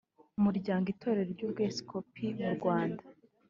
umuryango itorero ry’ubwepiskopi mu rwanda